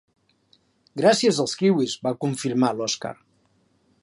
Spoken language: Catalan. Gràcies als kiwis —va confirmar l'Oskar—.